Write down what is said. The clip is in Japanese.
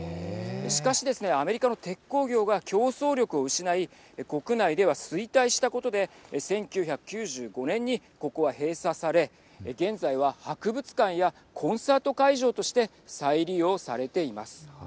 しかしですね、アメリカの鉄鋼業が競争力を失い国内では衰退したことで１９９５年にここは閉鎖され現在は博物館やコンサート会場として再利用されています。